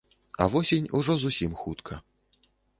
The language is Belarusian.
А восень ужо зусім хутка.